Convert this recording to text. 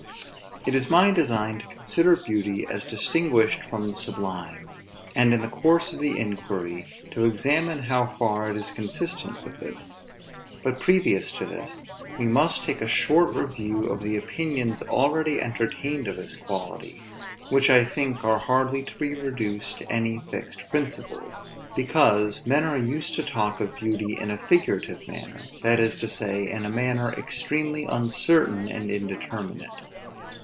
It is my design to consider beauty as distinguished from the sublime; and, in the course of the inquiry, to examine how far it is consistent with it. But previous to this, we must take a short review of the opinions already entertained of this quality; which I think are hardly to be reduced to any fixed principles; because men are used to talk of beauty in a figurative manner, that is to say, in a manner extremely uncertain, and indeterminate.